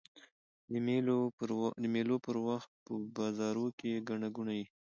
د مېلو پر وخت په بازارو کښي ګڼه ګوڼه يي.